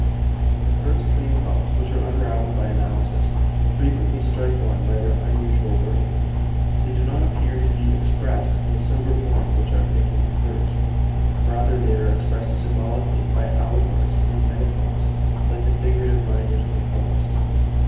The first dream thoughts which are unravelled by analysis frequently strike one by their unusual wording. They do not appear to be expressed in the sober form which our thinking prefers; rather are they expressed symbolically by allegories and metaphors like the figurative language of the poets.